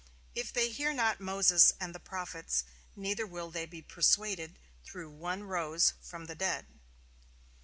'If they hear not Moses and the prophets, neither will they be persuaded though one rose from the dead.'"